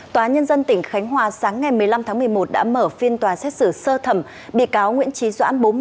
tòa nhân dân tỉnh khánh hòa sáng ngày một mươi năm tháng một mươi một đã mở phiên tòa xét xử sơ thẩm bị cáo nguyễn trí doãn